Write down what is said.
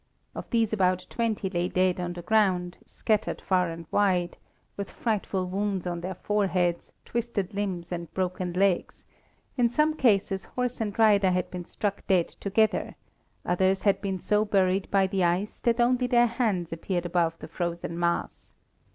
Of these about twenty lay dead on the ground, scattered far and wide, with frightful wounds on their foreheads, twisted limbs and broken legs; in some cases horse and rider had been struck dead together, others had been so buried by the ice that only their hands appeared above the frozen mass.